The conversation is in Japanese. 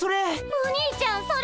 お兄ちゃんそれ！